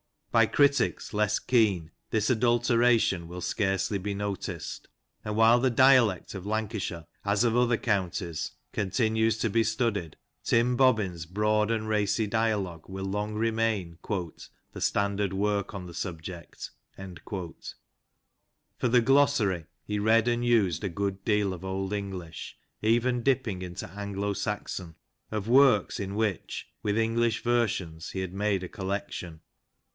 By critics less keen this adulteration will scarcely be noticed, and while the dialect of Lancashire, as of other counties, continues to be studied, Tim Bobbin's broad and racy dia logue willlong remain " the standard work on the subject." For the glossary, he read and used a good deal of old English, even dipping into Anglo Saxon, of works in which, with English versions, he had made a collection.